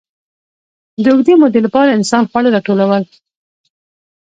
د اوږدې مودې لپاره انسان خواړه راټولول.